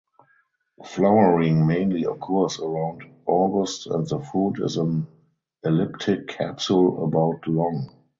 Flowering mainly occurs around August and the fruit is an elliptic capsule about long.